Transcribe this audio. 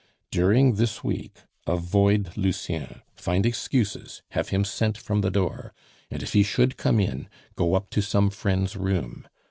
During this week avoid Lucien, find excuses, have him sent from the door, and if he should come in, go up to some friend's room.